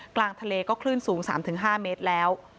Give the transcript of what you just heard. กลางทะเลก็คลื่นสูง๓๕เมตรแล้ว